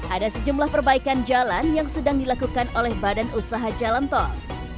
ada sejumlah perbaikan jalan yang sedang dilakukan oleh badan usaha jalan tol